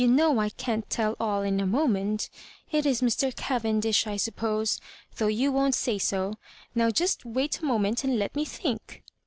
91 know I can't tell all in a moment It is Mr. Cavendish; I suppose, though you won't aay so. Now just wait a moment^ and let me think."